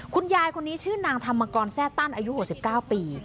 คุณยายคนนี้ชื่อนางธรรมกรแทร่ตั้นอายุ๖๙ปี